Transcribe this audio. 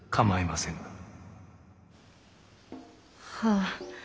はあ。